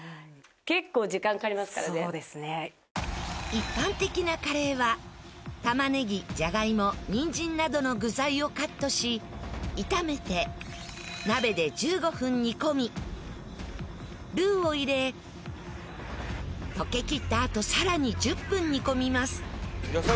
一般的なカレーは玉ねぎじゃがいもにんじんなどの具材をカットし炒めて鍋で１５分煮込みルーを入れ溶けきったあとさらに１０分煮込みます。